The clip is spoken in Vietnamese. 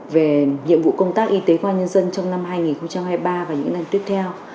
về nhiệm vụ công tác y tế qua nhân dân trong năm hai nghìn hai mươi ba và những năm tiếp theo